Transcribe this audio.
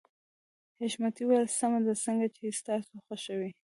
حشمتي وويل سمه ده څنګه چې ستاسو خوښه وي.